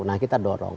nah kita dorong